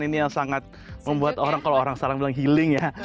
ini yang sangat membuat orang kalau orang salah bilang healing ya